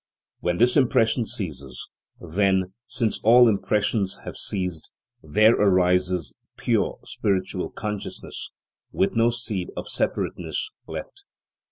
When this impression ceases, then, since all impressions have ceased, there arises pure spiritual consciousness, with no seed of separateness left.